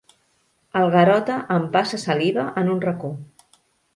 El Garota empassa saliva, en un racó.